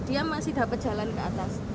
dia masih dapat jalan ke atas